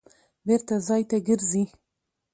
بېرته ځای ته ګرځي.